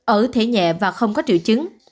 ở thể nhẹ và không có triệu chứng